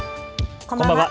こんばんは。